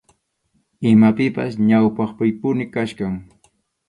Imapipas ñawpaqpipuni kachkan.